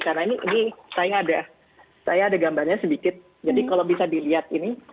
karena ini saya ada gambarnya sedikit jadi kalau bisa dilihat ini